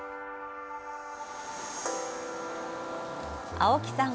青木さん